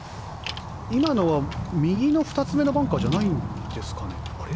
今のは右の２つ目のバンカーじゃないんですかね？